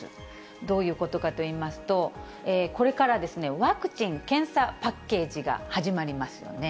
どういうことかといいますと、これからですね、ワクチン・検査パッケージが始まりますよね。